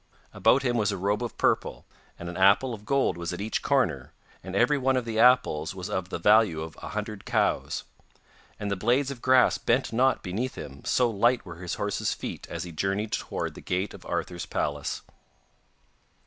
About him was a robe of purple, and an apple of gold was at each corner, and every one of the apples was of the value of a hundred cows. And the blades of grass bent not beneath him, so light were his horse's feet as he journeyed toward the gate of Arthur's palace.